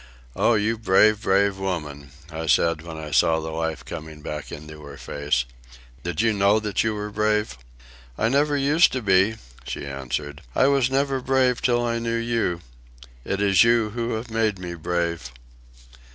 "Oh, you brave, brave woman," I said, when I saw the life coming back into her face. "Did you know that you were brave?" "I never used to be," she answered. "I was never brave till I knew you. It is you who have made me brave."